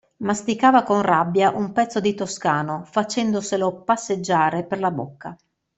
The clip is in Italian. Masticava con rabbia un pezzo di toscano, facendoselo passeggiare per la bocca.